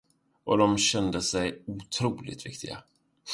Och de kände sig otroligt viktiga.